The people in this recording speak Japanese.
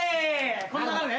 この流れね。